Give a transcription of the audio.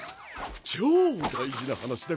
超大事な話だ。